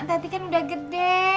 tati kan udah gede